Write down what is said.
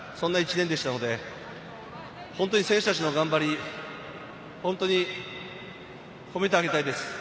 そんな１年でしたので、本当に選手たちの頑張り、本当に褒めてあげたいです。